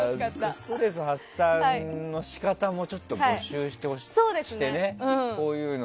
ストレス発散の仕方もちょっと募集してね。